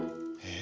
え？